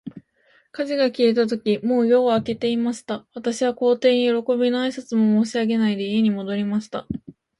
火事が消えたとき、もう夜は明けていました。私は皇帝に、よろこびの挨拶も申し上げないで、家に戻りました。